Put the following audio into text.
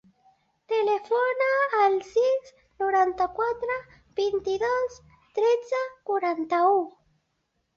Telefona al sis, noranta-quatre, vint-i-dos, tretze, quaranta-u.